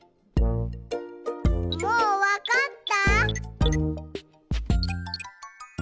もうわかった？